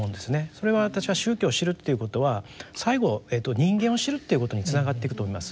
それは私は宗教を知るっていうことは最後人間を知るっていうことにつながっていくと思います。